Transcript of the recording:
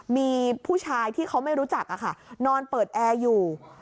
มีผู้ชายที่เขาไม่รู้จักนอนเปิดแอร์อยู่